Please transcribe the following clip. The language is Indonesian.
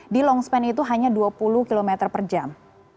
di longspan itu hanya dua puluh km per jam